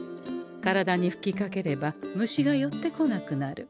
体にふきかければ虫が寄ってこなくなる。